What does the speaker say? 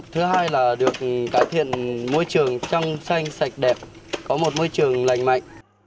thứ hai là được cải thiện môi trường trong xanh sạch đẹp có một môi trường lành mạnh